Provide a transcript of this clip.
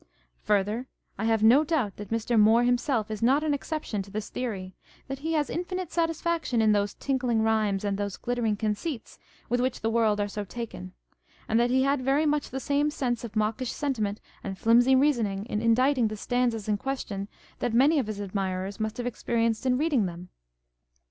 Further, I have no doubt that Mr. Moore himself is not an exception to this theory â€" that he has infinite satisfaction in those tinkling rhymes and those glittering conceits with which the world are so taken, and that he had very much the same sense of mawkish sentiment and flimsy reasoning in in diting the stanzas in question that many of his admirers must have experienced in reading them